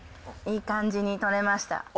いい感じに撮れました。